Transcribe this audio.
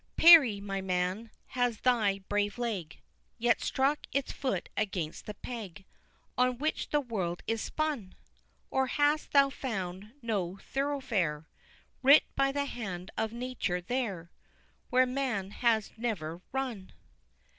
Parry, my man! has thy brave leg Yet struck its foot against the peg On which the world is spun? Or hast thou found No Thoroughfare Writ by the hand of Nature there Where man has never run!